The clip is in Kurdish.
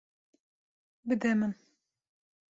Bide min.